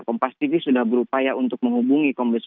kompas tv sudah berupaya untuk menghubungi kombes dua